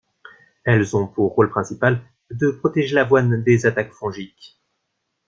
Elles ont pour rôle principal de protéger l'avoine des attaques fongiques.